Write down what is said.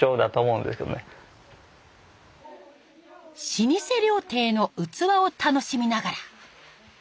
老舗料亭の器を楽しみながら。